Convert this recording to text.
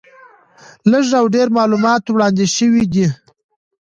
لږ او ډېر معلومات وړاندې شوي دي.